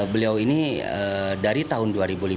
beliau ini dari tahun dua ribu lima belas